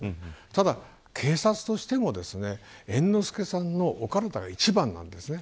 ただ警察としても猿之助さんのお体が一番です。